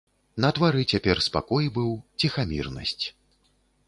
На твары цяпер спакой быў, ціхамірнасць.